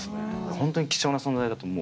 ほんとに貴重な存在だと思う。